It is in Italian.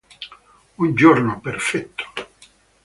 Un giorno perfetto